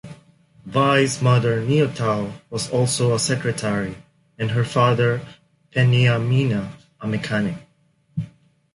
Vai's mother Niutao was also a secretary, and her father Peniamina a mechanic.